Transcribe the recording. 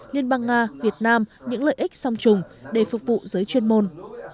liên bang nga việt nam những lợi ích song trùng để phục vụ giới chuyên môn